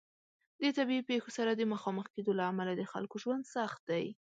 د طبیعي پیښو سره د مخامخ کیدو له امله د خلکو ژوند سخت دی.